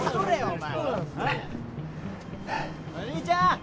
おい兄ちゃん！